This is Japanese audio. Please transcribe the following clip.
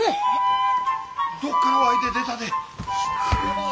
どっから湧いて出たでえ？